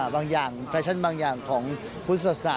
บางอย่างแฟชั่นบางอย่างของพุทธศาสนา